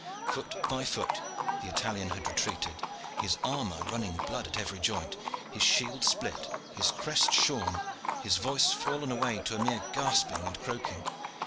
Foot by foot the Italian had retreated, his armor running blood at every joint, his shield split, his crest shorn, his voice fallen away to a mere gasping and croaking.